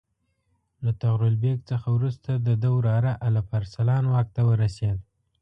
له طغرل بیګ څخه وروسته د ده وراره الپ ارسلان واک ته ورسېد.